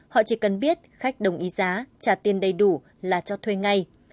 họ chỉ cần biết khách đồng ý giá trả tiền đầy đủ là cho thuê ngay